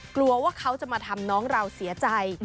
กลัวว่าเขาจะมาทำน้องเราเสียใจ